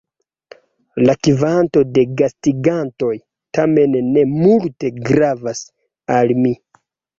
La kvanto de gastigantoj tamen ne multe gravas al mi.